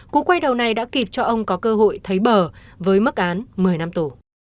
cú quay đầu này đã kịp cho ông có cơ hội thấy bờ với mức án một mươi năm tù